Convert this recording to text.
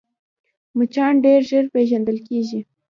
مچان ډېر ژر پېژندل کېږي